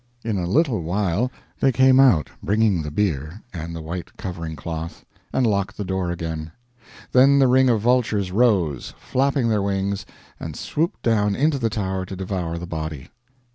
In a little while they came out bringing the bier and the white covering cloth, and locked the door again. Then the ring of vultures rose, flapping their wings, and swooped down into the Tower to devour the body.